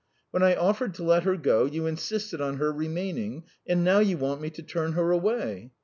When I offered to let her go, you insisted on her remaining, and now you want me to turn her away.